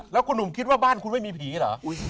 แล้วคุณหนุ่มคิดว่าบ้านคุณไม่มีผีเหรอ